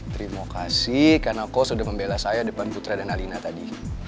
terima kasih karena kau sudah membela saya depan putra dan alina tadi